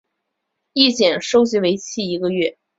意见收集为期一个月。